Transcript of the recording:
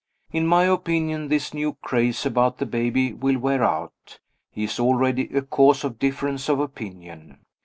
In my opinion this new craze about the baby will wear out. He is already a cause of difference of opinion.